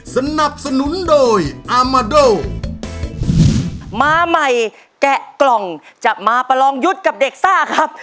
สนับสนุนโดยอามาโดมาใหม่แกะกล่องจะมาประลองยุทธ์กับเด็กซ่าครับ